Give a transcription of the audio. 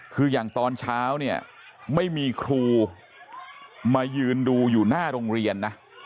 คืออย่างตอนเช้าเนี่ยไม่มีครูมายืนดูอยู่หน้าโรงเรียนนะ